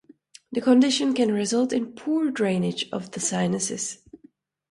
The condition can result in poor drainage of the sinuses.